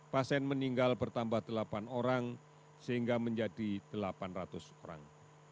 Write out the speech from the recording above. pasien meninggal bertambah delapan orang sehingga menjadi delapan ratus orang